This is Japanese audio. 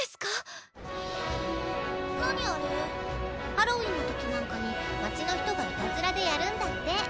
ハロウィーンの時なんかに街の人がいたずらでやるんだって。